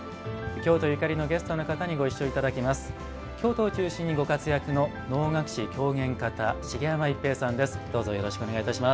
京都ゆかりのゲストの方にご一緒いただきます。